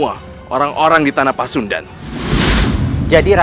aku benar benar merasa terhina